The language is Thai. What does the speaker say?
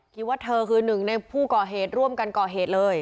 ว่าเธอคือหนึ่งในผู้ก่อเหตุร่วมกันก่อเหตุเลย